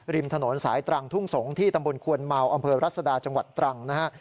ริมถนนสายตรังทุ่งสงศ์ที่ตำบลควนเมาอำเภอรัศดาจังหวัดตรังนะฮะ